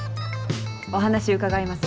お話伺います。